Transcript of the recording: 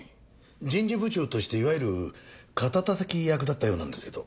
人事部長としていわゆる肩叩き役だったようなんですけど。